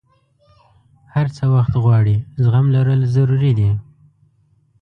هر څه وخت غواړي، زغم لرل ضروري دي.